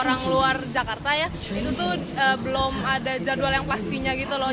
orang luar jakarta ya itu tuh belum ada jadwal yang pastinya gitu loh